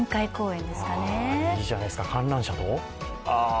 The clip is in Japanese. いいじゃないですか、観覧車と。